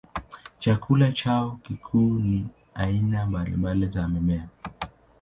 Chakula chao kikuu ni aina mbalimbali za mimea.